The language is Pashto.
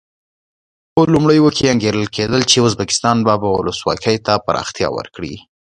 په لومړیو کې انګېرل کېده چې ازبکستان به ولسواکي ته پراختیا ورکړي.